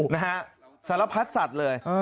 นะฮะสารพัดสัตว์เลย